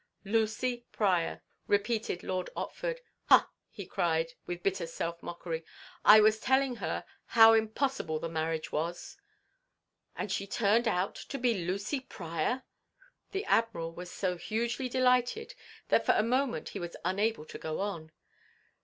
"Lucy Pryor!" repeated Lord Otford. "Ha!" he cried, with bitter self mockery, "I was telling her how impossible the marriage was—" "And she turned out to be Lucy Pryor!" The Admiral was so hugely delighted that for a moment he was unable to go on.